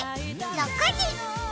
６時！